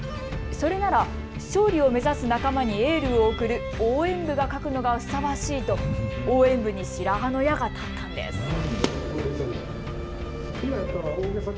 それなら勝利を目指す仲間にエールを送る応援部が書くのがふさわしいと応援部に白羽の矢が立ったんです。